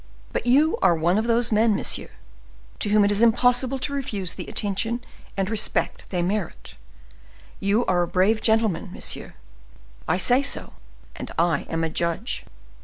But you are one of those men, monsieur, to whom it is impossible to refuse the attention and respect they merit; you are a brave gentleman, monsieur—I say so, and I am a judge.